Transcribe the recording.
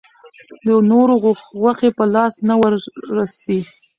د نورو غوښې په لاس نه وررسي.